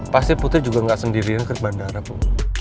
pasti putri juga gak sendirian ke bandara bu